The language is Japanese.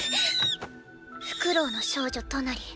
フクロウの少女トナリ。